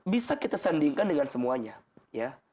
bisa kita sandingkan dengan semuanya ya